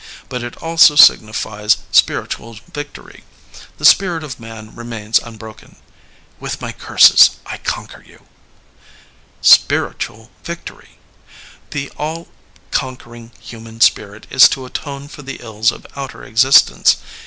But it also signifies spiritual victory. The spirit of Man remains unbroken. '' With my curses I conquer you." Spiritual victory I The all conquering human spirit is to atone for the ills of outer existence.